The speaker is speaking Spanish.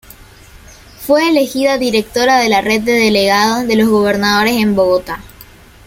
Fue elegida Directora de la Red de Delegados de los Gobernadores en Bogotá.